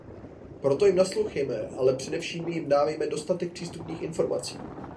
Proto jim naslouchejme, ale především jim dávejme dostatek přístupných informací.